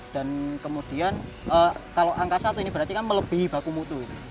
dan kemudian kalau angka satu ini berarti kan melebihi baku mutu